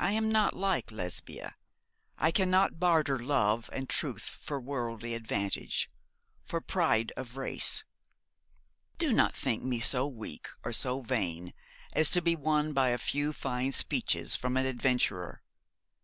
I am not like Lesbia. I cannot barter love and truth for worldly advantage for pride of race. Do not think me so weak or so vain as to be won by a few fine speeches from an adventurer.